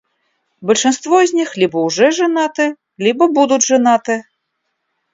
Большинство из них либо уже женаты, либо будут женаты.